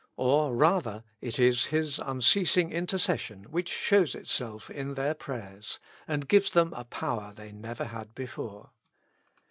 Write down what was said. Or rather, it is His unceasing intercession which shows itself in their prayers, and gives them a power they never had before.